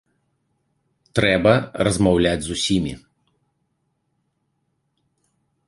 Трэба размаўляць з усімі.